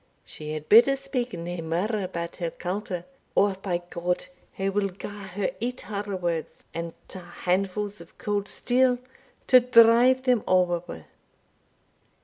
"She had better speak nae mair about her culter, or, by G ! her will gar her eat her words, and twa handfuls o' cauld steel to drive them ower wi'!"